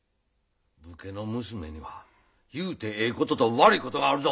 武家の娘には言うてええことと悪いことがあるぞ。